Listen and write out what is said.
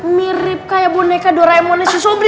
mirip kayak boneka doraemon